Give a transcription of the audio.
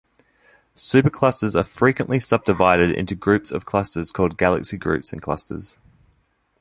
Superclusters are frequently subdivided into groups of clusters called galaxy groups and clusters.